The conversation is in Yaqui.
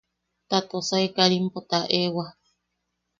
Ta Tosai Karimpo taʼewa.